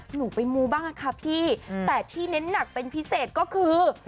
หนูไปมูบ้างค่ะพี่แต่ที่เน้นหนักเป็นพิเศษก็คือ